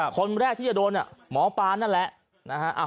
คนแรกที่จะโดนหมอปานนั่นแหละ